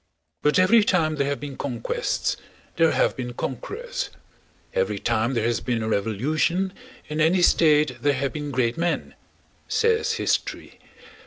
"But every time there have been conquests there have been conquerors; every time there has been a revolution in any state there have been great men," says history.